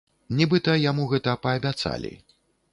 Нібыта яму гэта паабяцалі.